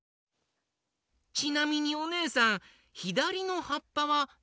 ちなみにおねえさんひだりのはっぱはなに？